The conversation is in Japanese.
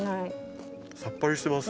さっぱりしてます。